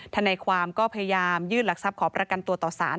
ทนายความก็พยายามยื่นหลักทรัพย์ขอประกันตัวต่อสาร